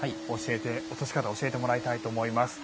落とし方教えてもらいたいと思います。